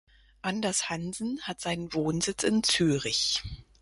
Anders Hansen hat seinen Wohnsitz in Zürich.